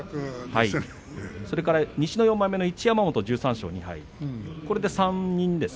西の４枚目の一山本が１３勝２敗です。